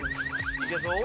いけそう？